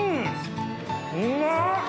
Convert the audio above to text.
うまっ。